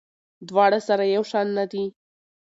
دواړه سره یو شان نه دي.